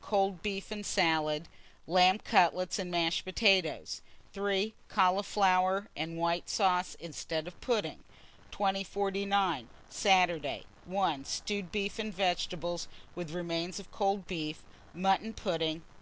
Cold beef and salad, lamb cutlets and mashed potatoes. 3. Cauliflowers and white sauce instead of pudding. 2049. Saturday. 1. Stewed beef and vegetables, with remains of cold beef; mutton pudding.